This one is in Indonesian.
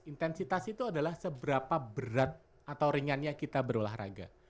intensitas itu adalah seberapa berat atau ringannya kita berolahraga